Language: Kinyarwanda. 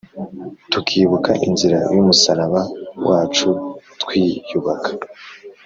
tukibuka inzira y’umusaraba wacu twiyubaka